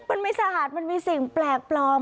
มันไม่สะอาดมันมีสิ่งแปลกปลอม